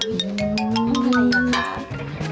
โอ้ยขอบคุณค่ะ